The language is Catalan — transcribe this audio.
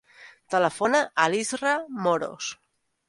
Telefona a l'Israa Moros.